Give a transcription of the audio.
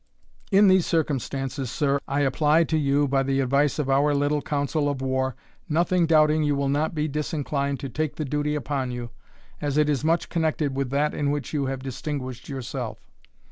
In these circumstances, sir, I apply to you, by the advice of our little council of war, nothing doubting you will not be disinclined to take the duty upon you, as it is much connected with that in which you have distinguished yourself.